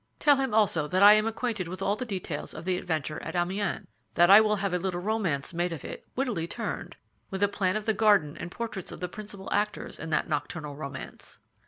"Tell him also that I am acquainted with all the details of the adventure at Amiens; that I will have a little romance made of it, wittily turned, with a plan of the garden and portraits of the principal actors in that nocturnal romance."